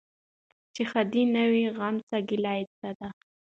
چي ښادي نه وي غم څه ګالل یې څه دي